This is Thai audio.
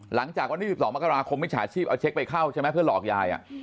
หลังจากวันที่๑๒มกราคมมิจฉาชีพเอาเช็คไปเข้าใช่ไหมเพื่อหลอกยาย